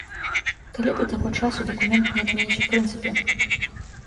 Калі да таго часу дакумент не адменяць ў прынцыпе.